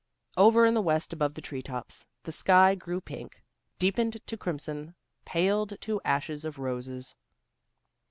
Over in the west above the treetops, the sky grew pink, deepened to crimson, paled to ashes of roses.